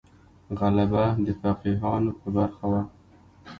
غلبه د فقیهانو په برخه وه.